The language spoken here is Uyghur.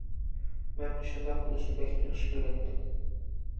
مەن مۇشۇنداق بولۇشىنى بەكمۇ ياخشى كۆرەتتىم.